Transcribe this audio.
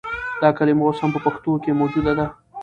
دا کلمه اوس هم په پښتو کښې موجوده ده